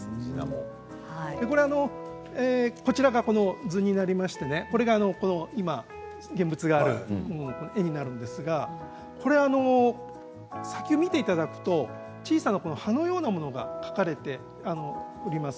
こちらがその図になりまして今、現物があるものの絵になるんですが先を見ていただくと小さな葉のようなものが描かれております。